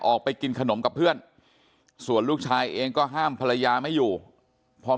ออกไปกินขนมกับเพื่อนส่วนลูกชายเองก็ห้ามภรรยาไม่อยู่พอ